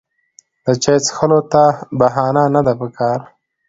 د چای څښلو ته بهانه نه ده پکار.